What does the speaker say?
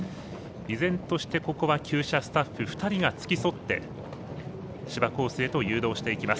依然として、ここはきゅう舎スタッフ２人が付き添って芝コースへと誘導していきます。